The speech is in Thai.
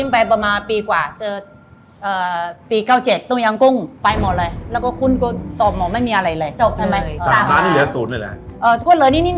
ประมาณไหนเดียว